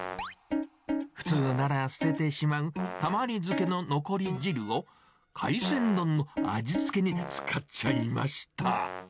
普通なら捨ててしまうたまり漬けの残り汁を、海鮮丼の味付けに使っちゃいました。